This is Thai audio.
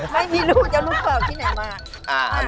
ไม่มีลูกจะลูกกอกที่ไหนมาก